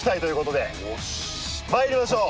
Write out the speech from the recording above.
参りましょう。